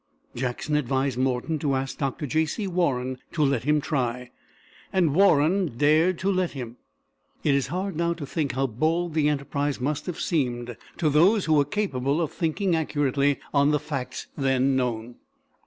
Jackson advised Morton to ask Dr. J. C. Warren to let him try, and Warren dared to let him. It is hard now to think how bold the enterprise must have seemed to those who were capable of thinking accurately on the facts then known.